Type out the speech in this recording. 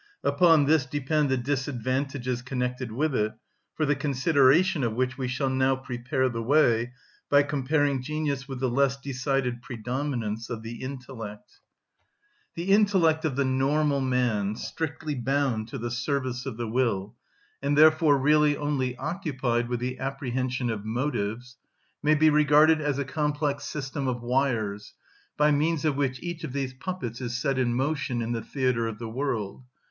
Upon this depend the disadvantages connected with it, for the consideration of which we shall now prepare the way by comparing genius with the less decided predominance of the intellect. The intellect of the normal man, strictly bound to the service of the will, and therefore really only occupied with the apprehension of motives, may be regarded as a complex system of wires, by means of which each of these puppets is set in motion in the theatre of the world.